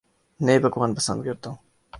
نئے پکوان پسند کرتا ہوں